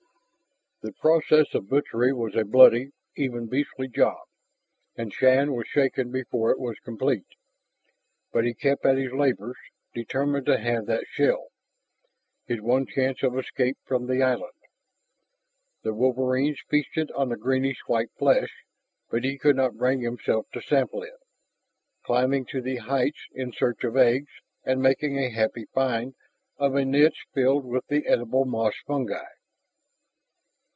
The process of butchery was a bloody, even beastly job, and Shann was shaken before it was complete. But he kept at his labors, determined to have that shell, his one chance of escape from the Island. The wolverines feasted on the greenish white flesh, but he could not bring himself to sample it, climbing to the heights in search of eggs, and making a happy find of a niche filled with the edible moss fungi.